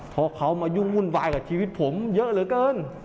เพราะเขามายุ่งวุ่นวายกับชีวิตผมเยอะเหลือเกิน